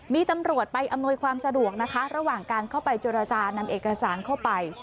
มีตำรวจไปอำนวยความสะดวกนะคะระหว่างการเข้าไปเจรจานำเอกสารเข้าไป